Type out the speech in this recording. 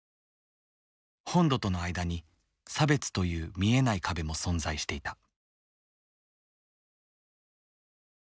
本土との間に差別という見えない壁も存在していた。